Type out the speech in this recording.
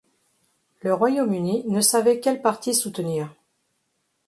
Le Royaume-Uni ne savait quel parti soutenir.